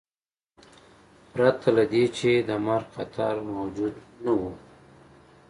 پرته له دې چې د مرګ خطر موجود نه و.